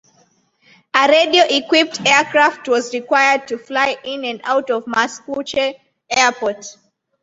A radio equipped aircraft was required to fly in and out of Mascouche Airport.